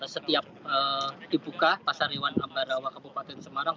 setiap dibuka pasar hewan ambarawa kabupaten semarang